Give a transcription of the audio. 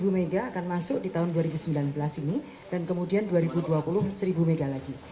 bu mega akan masuk di tahun dua ribu sembilan belas ini dan kemudian dua ribu dua puluh seribu mega lagi